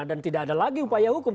dan tidak ada lagi upaya hukum